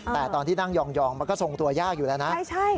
แต่ตอนที่นั่งหย่องหย่องมันก็ทรงตัวยากอยู่แล้วนะใช่ใช่